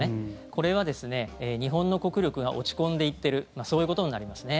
これは日本の国力が落ち込んでいっているそういうことになりますね。